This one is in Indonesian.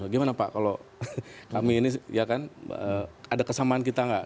gimana pak kalau kami ini ya kan ada kesamaan kita nggak